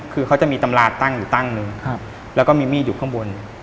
คือเขาจะมีตำราตั้งอยู่ตั้งหนึ่งแล้วก็มีมีดอยู่ข้างบน